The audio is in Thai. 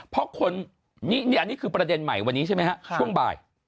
เพราะคนนี่คืออันนี้คือประเด็นใหม่วันนี้ใช่ไหมฮะช่วงบ่าย